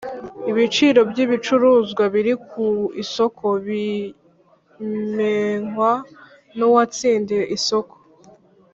Ibiciro by’ ibicuruzwa biri ku isoko bimenkwa nuwatsindiye isoko